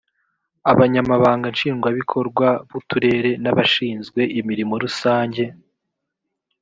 abanyamabanga nshingwabikorwa b uturere n abashinzwe imirimo rusange